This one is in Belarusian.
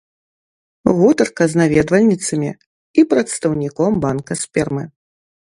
Гутарка з наведвальніцамі і працаўніком банка спермы.